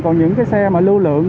còn những cái xe mà lưu lượng